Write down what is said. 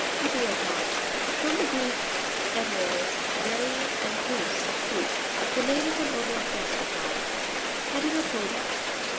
He'reropops.—From the Greek ete. ros, various, and pous, foot. The name of an order of gasteropods. He'reropo'pa.